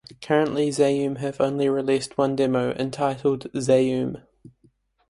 Currently Zaum have only released one demo, entitled "Zaum".